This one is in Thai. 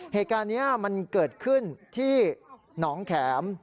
เหตุการณ์นี้มันเกิดขึ้นที่หนองแข็ม